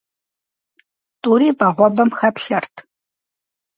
Тӏури вагъуэбэм хэплъэрт.